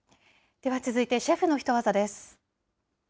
では続いてシェフのヒトワザです。